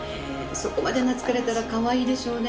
そこまで懐かれたらかわいいでしょうね。